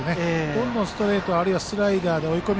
どんどんストレートあるいはスライダーで追い込む。